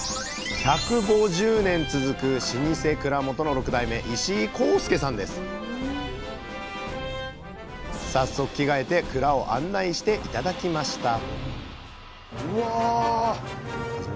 １５０年続く老舗蔵元の６代目早速着替えて蔵を案内して頂きました